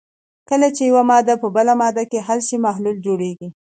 کله چې یوه ماده په بله ماده کې حل شي محلول جوړوي.